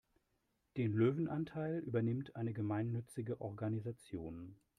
Den Löwenanteil übernimmt eine gemeinnützige Organisation.